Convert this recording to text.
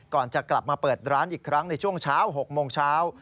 ก่อนจะกลับมาเปิดร้านอีกครั้งในช่วงเช้า๖โมงเช้า